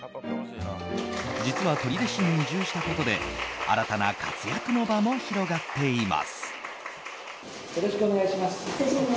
実は取手市に移住したことで新たな活躍の場も広がっています。